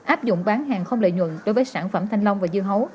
áp dụng bán hàng không lợi nhuận đối với sản phẩm thanh long và dưa hấu